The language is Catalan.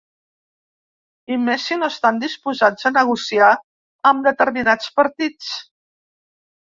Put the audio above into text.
I més si no estan disposats a negociar amb determinats partits.